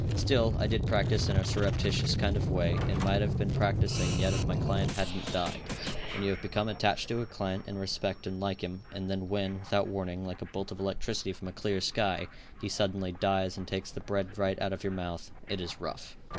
Still, I did practice in a surreptitious kind of a way, and might have been practicing yet if my client hadn't died. When you have become attached to a client and respect and like him, and then when, without warning, like a bolt of electricity from a clear sky, he suddenly dies and takes the bread right out of your mouth, it is rough.